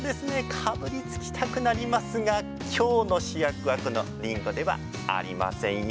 かぶりつきたくなりますが今日の主役はこのりんごではありませんよ。